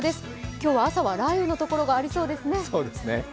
今日は、朝は雷雨の所がありそうですね。